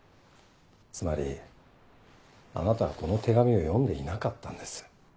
つまりあなたはこの手紙を読んでいなかったんです。